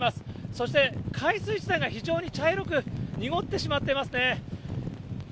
そして海水自体が非常に茶色く濁ってしまっていますね。